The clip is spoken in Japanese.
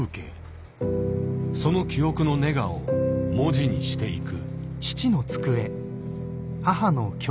その記憶のネガを文字にしていく。